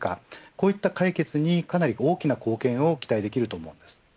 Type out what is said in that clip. こういった解決に、かなり大きな貢献を期待できると思います。